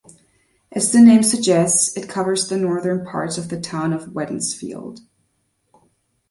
As the name suggests, it covers the northern parts of the town of Wednesfield.